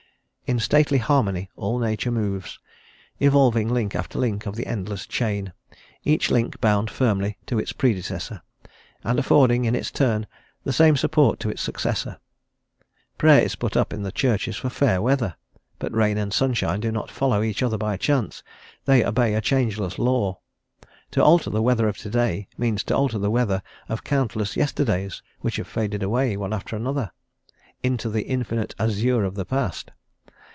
In stately harmony all Nature moves, evolving link after link of the endless chain, each link bound firmly to its predecessor, and affording, in its turn, the same support to its successor. Prayer is put up in the churches for fair weather; but rain and sunshine do not follow each other by chance, they obey a changeless law. To alter the weather of to day means to alter the weather of countless yesterdays, which have faded away, one after another, "into the infinite azure of the past."